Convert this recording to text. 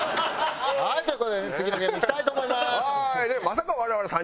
「はい！という事で次のゲームいきたいと思います」。